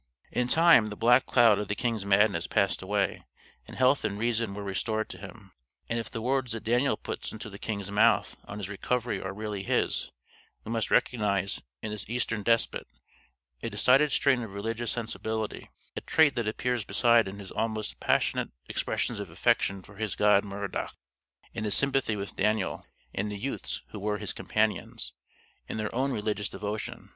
"] In time, the black cloud of the king's madness passed away and health and reason were restored to him. And if the words that Daniel puts into the king's mouth on his recovery are really his, we must recognize in this Eastern Despot a decided strain of religious sensibility, a trait that appears beside in his almost passionate expressions of affection for his god Merodach, and in his sympathy with Daniel and the youths who were his companions, in their own religious devotion.